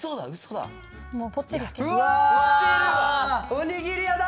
おにぎり屋だ！